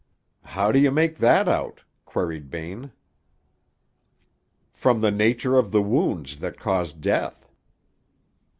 "How do you make that out?" queried Bain. "From the nature of the wounds that caused death."